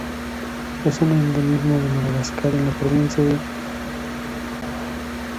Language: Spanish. Es un endemismo de Madagascar en la provincia de Antananarivo.